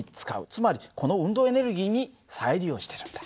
つまりこの運動エネルギーに再利用してるんだ。